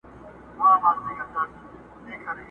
هسي نه چي دا یو ته په زړه خوږمن یې!!